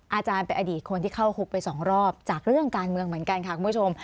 อาจารย์เป็นอดีตคนที่เข้าคุกไปสองรอบจากเรื่องการเมืองเหมือนกันค่ะคุณผู้ชม